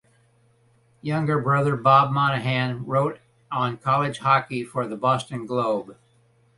His younger brother Bob Monahan wrote on college hockey for "The Boston Globe".